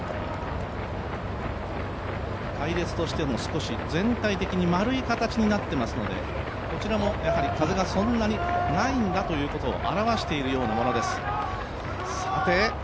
隊列としても、少し全体的に丸い形になっていますのでこちらも風がそんなにないんだということを表しているようなものです。